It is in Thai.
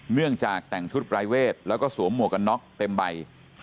เนื่องจากแต่งชุดปรายเวทแล้วก็สวมหมวกกันน็อกเต็มใบ